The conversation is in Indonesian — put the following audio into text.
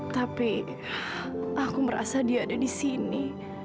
tapi aku merasa dia ada di sini